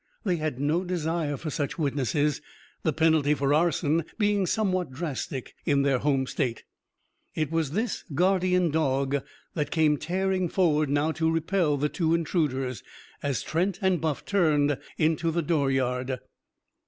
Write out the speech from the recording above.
They had no desire for such witnesses; the penalty for arson being somewhat drastic in their home state. It was this guardian dog that came tearing forward now to repel the two intruders, as Trent and Buff turned into the dooryard.